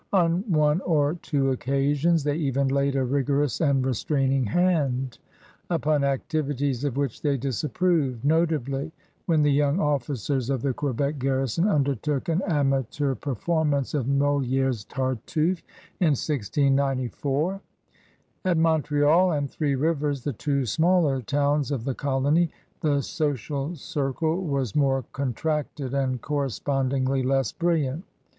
On one or two occasions they even laid a rigorous and re straining hand upon activities of which they dis approved, notably when the young officers of the Quebec garrison undertook an amateur perform ance of Moli^e's Tartuffe in 1694. At Montreal and Three Rivers, the two smaller towns of the colony, the social circle was more contracted and «06 CRUSADERS OF NEW FRANCE correspondingly less briUiant.